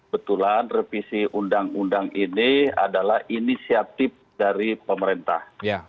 betulan revisi undang undang ini adalah inisiatif dari pemerintah